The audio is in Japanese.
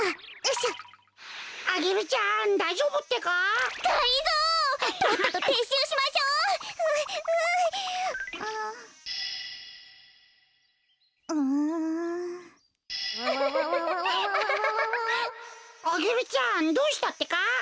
アゲルちゃんどうしたってか？